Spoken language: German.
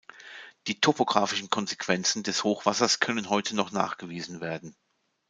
Die topographischen Konsequenzen des Hochwassers können heute noch nachgewiesen werden.